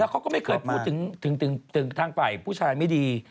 แล้วเขาก็ไม่เวทาบูลถึงต่างฝ่ายผู้ชายไม่ดี